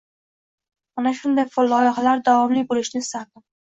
Mana shunday loyihalar davomli boʻlishini istardim.